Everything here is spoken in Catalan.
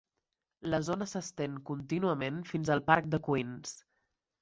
La zona s'estén contínuament fins al parc de Queens.